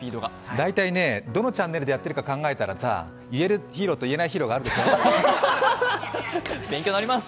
大体ね、どのチャンネルでやってるか考えたら言えるヒーローと言えないヒーローがあるでしょ。